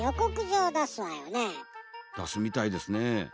だすみたいですね。